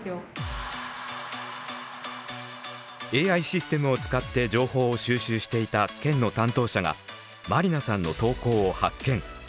ＡＩシステムを使って情報を収集していた県の担当者が麻里奈さんの投稿を発見。